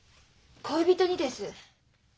恋人にです。